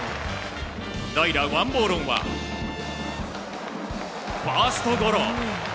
代打、ワン・ボーロンはファーストゴロ。